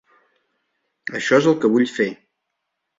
Això es el que vull fer.